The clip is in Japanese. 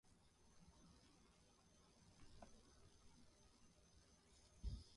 あと一問